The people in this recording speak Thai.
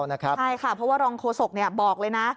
ใช่ค่ะเพราะว่ารองโฆษกบอกเลยนะ